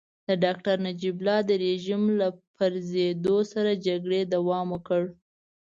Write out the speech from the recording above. د ډاکټر نجیب الله د رژيم له پرزېدو سره جګړې دوام وکړ.